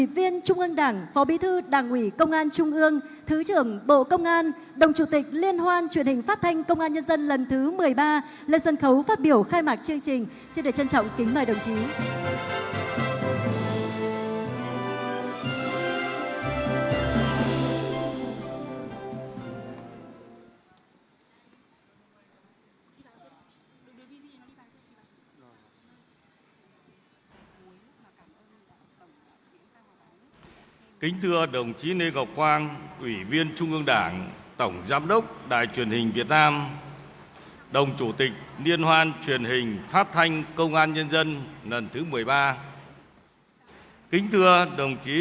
xin được trân trọng kính mời đồng chí thượng tướng trần quốc tỏ